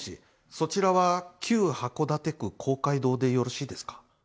そちらは旧函館区公会堂でよろしいですか。